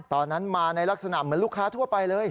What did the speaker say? ตอนนั้นมาในลักษณะเหมือนลูกค้าทั่วไปเลย